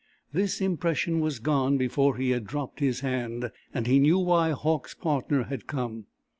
This impression was gone before he had dropped his hand, and he knew why Hauck's partner had come.